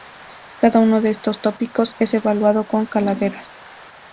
Cada uno de estos tópicos es evaluado con calaveras.